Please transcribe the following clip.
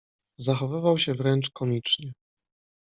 zachowywał się wręcz komicznie.